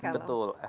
kurva sudah naik